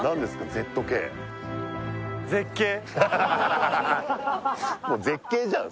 ＺＫもう絶景じゃん